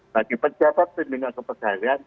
bagi pejabat pembinaan kepegawaian